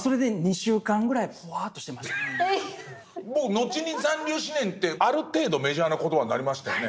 後に残留思念ってある程度メジャーな言葉になりましたよね。